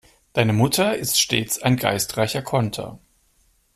Deine Mutter ist stets ein geistreicher Konter.